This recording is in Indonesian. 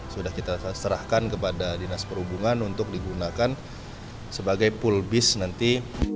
sudah kita serahkan kepada dinas perhubungan untuk digunakan sebagai pool bis nanti